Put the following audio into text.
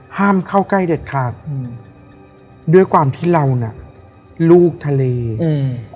ห้ามเข้าใกล้เด็ดขาดอืมด้วยความที่เราน่ะลูกทะเลอืม